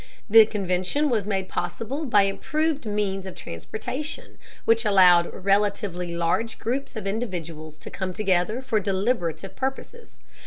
The convention was made possible by improved means of transportation, which allowed relatively large groups of individuals to come together for deliberative purposes.